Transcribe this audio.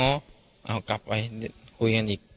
เอากลับไปคุยกันอีก